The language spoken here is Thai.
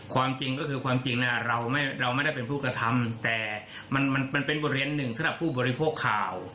ความจริงก็คือความจริงเราไม่ได้เป็นผู้กระทำแต่มันเป็นบทเรียนหนึ่งสำหรับผู้บริโภคข่าว